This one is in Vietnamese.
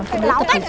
chỉ bảo nó